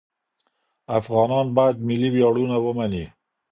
افغانان باید ملي ویاړونه ومني.